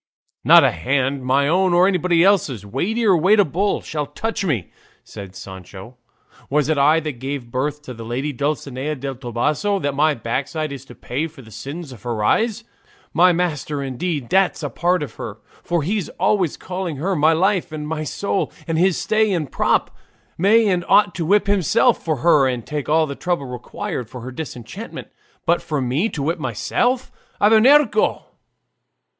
"Not a hand, my own or anybody else's, weighty or weighable, shall touch me," said Sancho. "Was it I that gave birth to the lady Dulcinea del Toboso, that my backside is to pay for the sins of her eyes? My master, indeed, that's a part of her for, he's always calling her 'my life' and 'my soul,' and his stay and prop may and ought to whip himself for her and take all the trouble required for her disenchantment. But for me to whip myself! Abernuncio!"